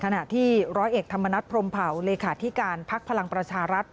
ขณะที่ร้อยเอกธรรมนัฐพรมเผาเลขาธิการพักพลังประชารัฐ